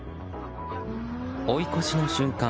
追い越しの瞬間